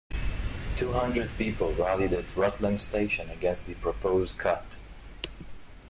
Two hundred people rallied at Rutland station against the proposed cut.